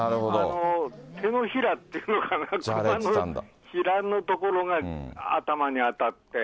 てのひらっていうのかな、熊のひらのところが頭に当たって。